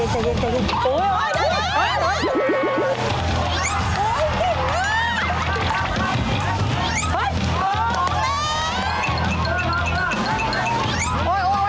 เฮ้ยขายมาแล้ว